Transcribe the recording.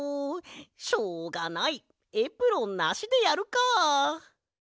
しょうがないエプロンなしでやるか。